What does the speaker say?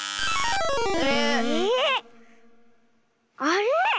あれ⁉